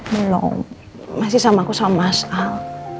belum masih sama aku sama mas al